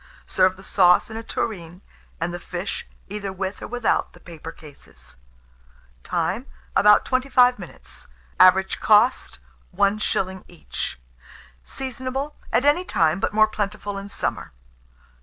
Serve the sauce in a tureen, and the fish, either with or without the paper cases. Time. About 25 minutes. Average cost, 1s. each. Seasonable at any time, but more plentiful in summer.